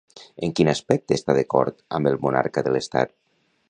En quin aspecte està d'acord amb el monarca de l'Estat?